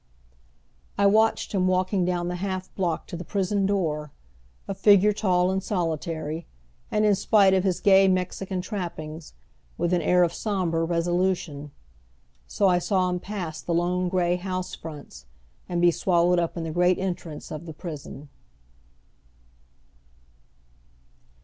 I watched him walking down the half block to the prison door, a figure tall and solitary, and in spite of his gay Mexican trappings, with an air of somber resolution. So I saw him pass the lone, gray house fronts, and be swallowed up in the great entrance of the prison.